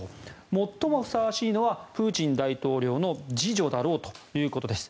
最もふさわしいのはプーチン大統領の次女だろうということです。